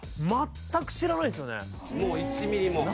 もう１ミリも？